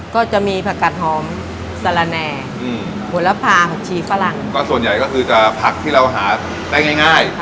ก็จะมีผักกัดหอมสละแน่อืมผลพาผักชีฝรั่งก็ส่วนใหญ่ก็คือจะผักที่เราหาได้ง่ายง่าย